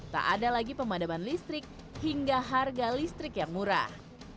tak ada lagi pemadaman listrik hingga harga listrik yang murah